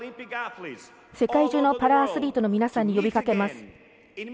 世界中のパラアスリートの皆さんに呼びかけます。